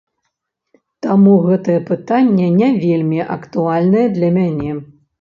Таму гэта пытанне не вельмі актуальнае для мяне.